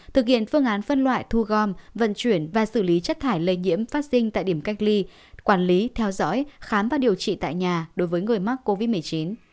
thực hiện phương án phân loại thu gom vận chuyển và xử lý chất thải lây nhiễm phát sinh tại điểm cách ly quản lý theo dõi khám và điều trị tại nhà đối với người mắc covid một mươi chín